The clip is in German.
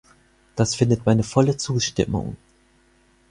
Das findet meine volle Zustimmung.